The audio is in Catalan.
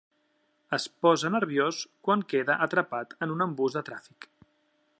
Es posa nerviós quan queda atrapat en un embús de tràfic.